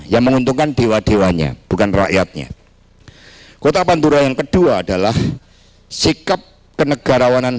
yang menguntungkan dewa dewanya bukan rakyatnya kota pantura yang kedua adalah sikap kenegarawanan